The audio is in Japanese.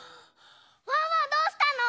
ワンワンどうしたの？